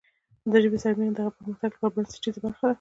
د ژبې سره مینه د هغې پرمختګ لپاره بنسټیزه برخه ده.